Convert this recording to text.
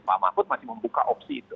pak mahfud masih membuka opsi itu